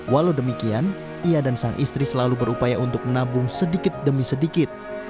walau demikian ia dan sang istri selalu berupaya untuk menabung sedikit demi sedikit